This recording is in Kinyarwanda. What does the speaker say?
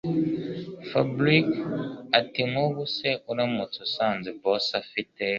Fabric atinkubu se uramutse usanze boss afite